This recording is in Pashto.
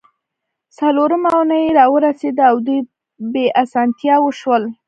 څلورمه اونۍ راورسیده او دوی بې اسانتیاوو شول